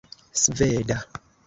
sveda